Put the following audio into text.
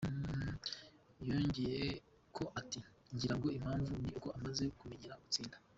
Yongeyeko ati "Ngira ngo impamvu ni uko amaze kumenyera gutsinda.